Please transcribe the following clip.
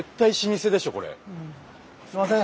すいません。